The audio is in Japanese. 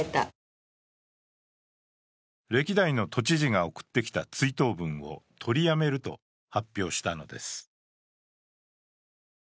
歴代の都知事が送ってきた追悼文を取りやめると発表したのです。